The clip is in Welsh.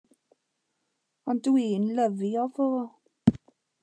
Ond dwi'n lyfio fo.